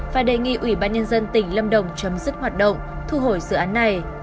và đề nghị ủy ban nhân dân tỉnh lâm đồng chấm dứt hoạt động thu hồi dự án này